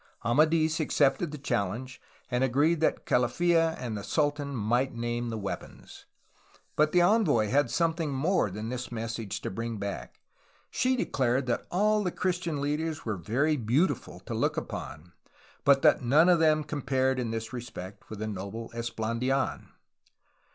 Amadis accepted the challenge, and agreed that Calaffa and the sultan might name the weapons. But the envoy had something more than this message to bring back. She declared that all the Christian leaders were very beautiful to look upon, but that none of them compared in this respect with the noble Esplandidn.